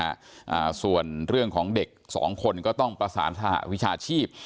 อ่าส่วนเรื่องของเด็กสองคนก็ต้องประสานสหวิชาชีพ